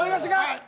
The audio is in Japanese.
はい。